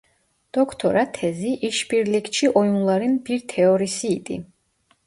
Doktora tezi "İşbirlikçi Oyunların bir teorisi" idi.